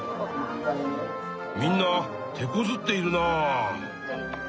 みんなてこずっているな。